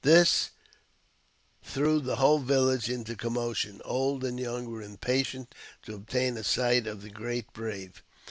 This threw the whole village into commotion ; old and young were impatient to obtain a sight of the " great brave."